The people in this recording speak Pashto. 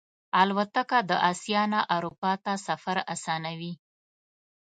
الوتکه د آسیا نه اروپا ته سفر آسانوي.